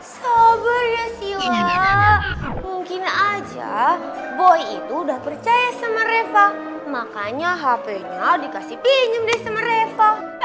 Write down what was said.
sabar ya sila mungkin aja boy itu udah percaya sama reva makanya hapenya dikasih pinjem deh sama reva